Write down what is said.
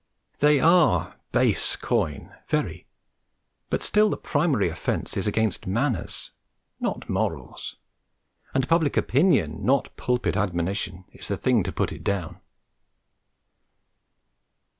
They are base coin, very; but still the primary offence is against manners, not morals; and public opinion, not pulpit admonition, is the thing to put it down.